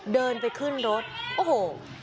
เดินไปขึ้นรถโอ้โห